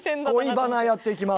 「恋バナ」やっていきます。